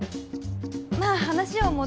まあ話を戻。